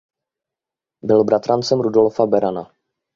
Byl bratrancem Rudolfa Berana.